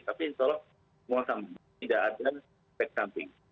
tapi insya allah semua tidak ada efek samping